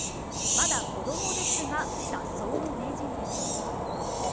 まだ子供ですが脱走の名人です。